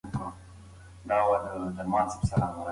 پاک اودس د روزۍ د برکت سبب کیږي.